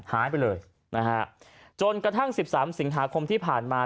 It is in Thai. หายไปเลยนะฮะจนกระทั่งสิบสามสิงหาคมที่ผ่านมา